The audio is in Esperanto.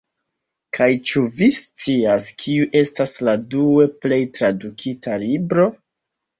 Kaj ĉu vi scias, kiu estas la due plej tradukita libro?